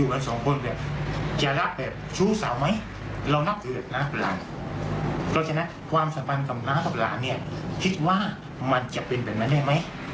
คิดว่ามันจำเป็นเป็นแบบนั้นได้ไหม